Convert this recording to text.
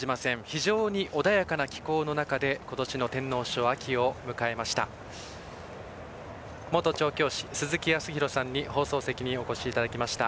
非常に穏やかな気候の中で今年の天皇賞を迎えました。